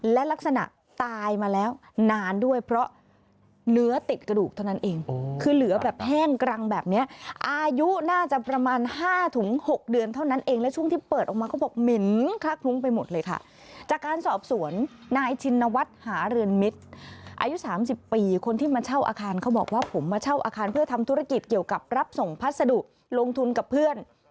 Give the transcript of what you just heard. และลักษณะตายมาแล้วนานด้วยเพราะเนื้อติดกระดูกเท่านั้นเองคือเหลือแบบแห้งกรังแบบนี้อายุน่าจะประมาณ๕๖เดือนเท่านั้นเองและช่วงที่เปิดออกมาเขาบอกเหม็นคลักคลุ้งไปหมดเลยค่ะจากการสอบสวนนายชินวัฒน์หาเรือนมิตรอายุ๓๐ปีคนที่มาเช่าอาคารเขาบอกว่าผมมาเช่าอาคารเพื่อทำธุรกิจเกี่ยวกับรับส่งพัสดุลงทุนกับเพื่อน